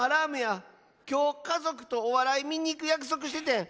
きょうかぞくとおわらいみにいくやくそくしててん。